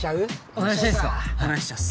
お願いします